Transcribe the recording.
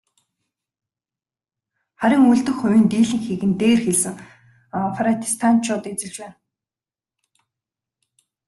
Харин үлдэх хувийн дийлэнхийг нь дээр хэлсэн протестантчууд эзэлж байна.